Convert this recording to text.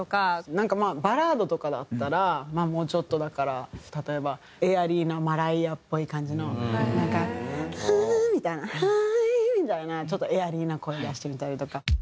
なんかバラードとかだったらもうちょっとだから例えばエアリーななんか「ハー」みたいな「ハイー」みたいなちょっとエアリーな声を出してみたりとか。